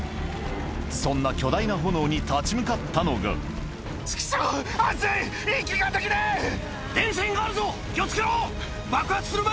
そんな巨大な炎に立ち向かったのが気を付けろ！